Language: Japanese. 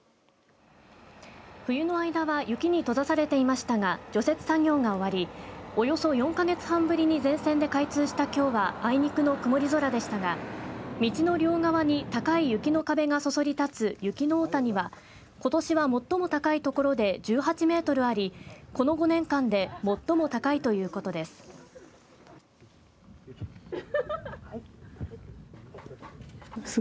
冬の間は雪に閉ざされていましたが除雪作業が終わりおよそ４か月半ぶりに全線で開通したきょうはあいにくの曇り空でしたが道の両側に高い雪の壁がそそり立つ雪の大谷はことしは最も高い所で１８メートルありこの５年間で最も高いということです。